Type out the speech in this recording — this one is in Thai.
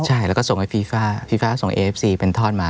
ใช่แล้วก็ส่งไอฟีฟ่า